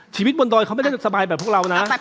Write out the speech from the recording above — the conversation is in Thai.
บนดอยเขาไม่ได้สบายแบบพวกเรานะ